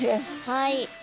はい。